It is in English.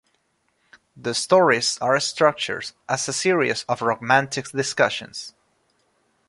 The stories are structured as a series of romantic discussions.